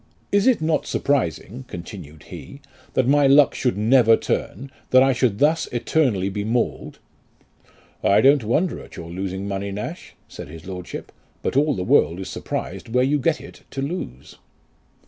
Is it not surprising," continued he, "that my luck should never turn that I should thus eternally be mauled ?"" I don't wonder at your losing money, Nash," said his lordship, " but all the world is surprised where you get it to lose."